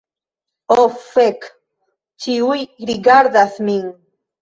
Oh fek, ĉiuj rigardas min